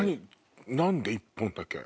何で１本だけ？